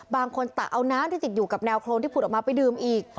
ตะเอาน้ำที่ติดอยู่กับแนวโครนที่ผุดออกมาไปดื่มอีก